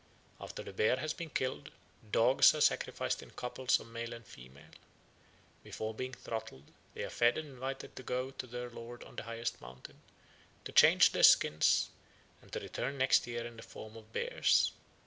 After the bear has been killed, dogs are sacrificed in couples of male and female. Before being throttled, they are fed and invited to go to their lord on the highest mountain, to change their skins, and to return next year in the form of bears.